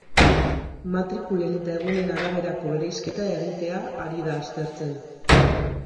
Matrikulen eta egunen araberako bereizketa egitea ari da aztertzen.